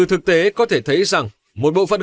thực tế có thể thấy rằng một bộ phận